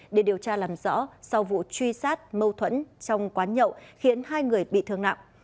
để điều tra làm rõ sau vụ truy sát mâu thuẫn trong quán nhậu khiến hai người bị thương nặng